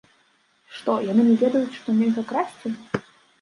Што, яны не ведаюць, што нельга красці?